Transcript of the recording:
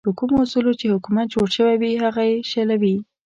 په کومو اصولو چې حکومت جوړ شوی وي هغه یې شلوي.